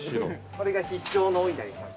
これが必勝のお稲荷さん。